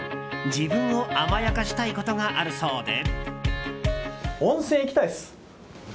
自分を甘やかしたいことがあるそうで。